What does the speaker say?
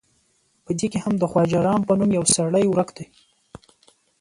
په دې کې هم د خواجه رام په نوم یو سړی ورک دی.